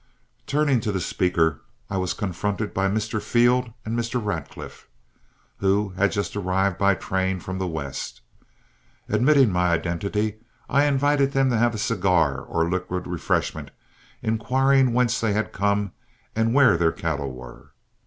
Turning to the speaker, I was confronted by Mr. Field and Mr. Radcliff, who had just arrived by train from the west. Admitting my identity, I invited them to have a cigar or liquid refreshment, inquiring whence they had come and where their cattle were.